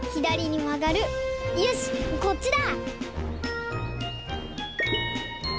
よしこっちだ！